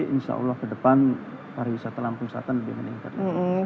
insya allah ke depan para wisatawan pengusahaan lebih mending